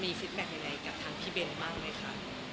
มีฟิดแม็กซ์อะไรกับทางพี่เบนบ้างไหมคะ